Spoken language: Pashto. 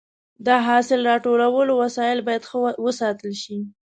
د حاصل راټولولو وسایل باید ښه وساتل شي.